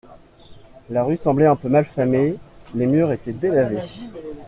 La rue semblait un peu mal famée, les murs étaient délavés.